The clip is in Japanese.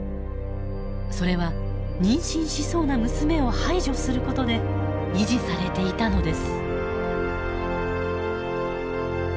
それは妊娠しそうな娘を排除することで維持されていたのです。